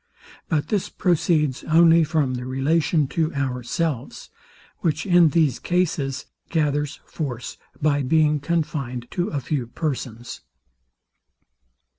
But this proceeds only from the relation to ourselves; which in these cases gathers force by being confined to a few persons.